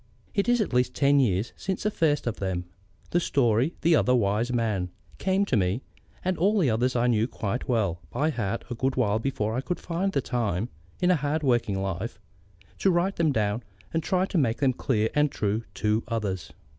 It is at least ten years since the first of them, the story of The Other Wise Man, came to me; and all the others I knew quite well by heart a good while before I could find the time, in a hard worked life, to write them down and try to make them clear and true to others.